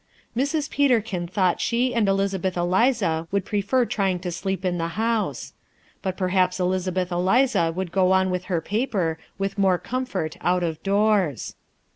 Mrs. Peterkin thought she and Elizabeth Eliza would prefer trying to sleep in the house. But perhaps Elizabeth Eliza would go on with her paper with more comfort out of doors.